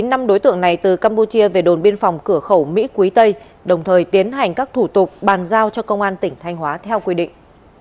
trên đường về đến địa phận thôn mạng tỉnh thanh hóa theo quy định